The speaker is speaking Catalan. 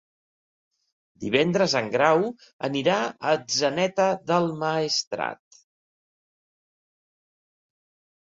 Divendres en Grau anirà a Atzeneta del Maestrat.